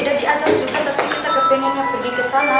tidak diajak juga tapi kita kepengennya pergi ke sana